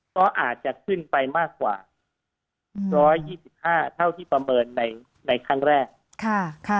ก็อาจจะขึ้นไปมากกว่า๑๒๕เท่าที่ประเมินในครั้งแรก